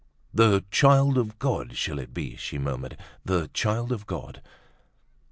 "The 'Child of God,' shall it be?" she murmured, "the 'Child of God.